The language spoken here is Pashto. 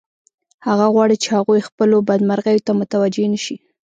هغه غواړي چې هغوی خپلو بدمرغیو ته متوجه نشي